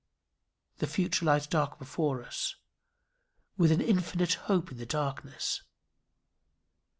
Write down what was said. The future lies dark before us, with an infinite hope in the darkness.